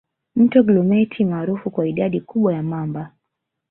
Mto Grumeti maarufu kwa idadi kubwa ya mamba